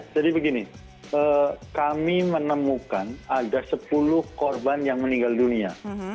jadi begini kami menemukan ada sepuluh korban yang meninggal dunia